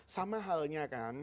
sama halnya kan